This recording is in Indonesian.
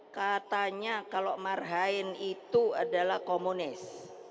katanya kalau marhain itu adalah komunis